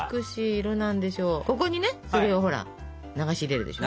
ここにねそれをほら流し入れるでしょ。